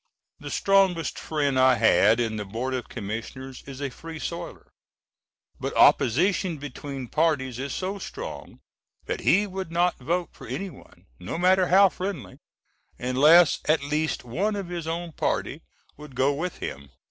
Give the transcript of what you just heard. The strongest friend I had in the Board of Commissioners is a Free Soiler but opposition between parties is so strong that he would not vote for any one, no matter how friendly, unless at least one of his own party would go with him.